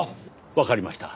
わかりました。